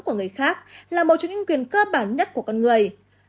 của người khác là một trong những quyền cơ bản nhất của con người